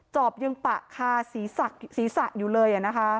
อบยังปะคาศีรษะอยู่เลย